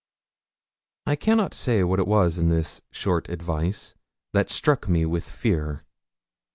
I cannot say what it was in this short advice that struck me with fear.